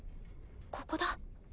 ここだ。